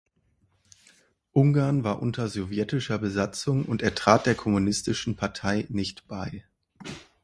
Ungarn war unter sowjetischer Besatzung und er trat der Kommunistischen Partei nicht bei.